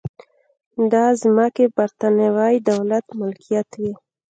دا ځمکې د برېټانوي دولت ملکیت وې.